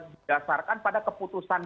di dasarkan pada keputusan